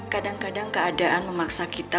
kadang kadang keadaan memaksa kita